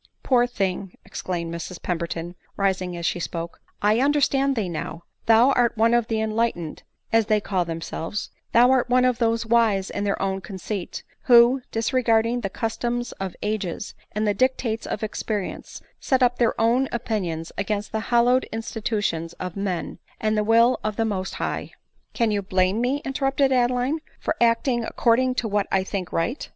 " Poor thing," exclaimed Mrs Pemberton, rising as she spoke, " I understand thee now — Thou art one of the enlightened, as they call themselves — Thou art one of those wise in their own conceit, who, disregarding the customs of ages, and the dictates of experience, set up their own opinions against the hallowed institutions of men and the will of the Most High." " Can you blame me," interrupted Adeline, " for act ing according to what I think right